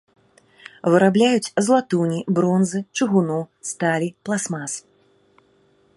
Вырабляюць з латуні, бронзы, чыгуну, сталі, пластмас.